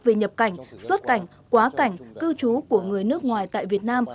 về nhập cảnh xuất cảnh quá cảnh cư trú của người nước ngoài tại việt nam